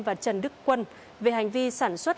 và trần đức quân về hành vi sản xuất